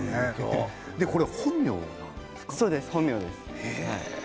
これは本名なんですか？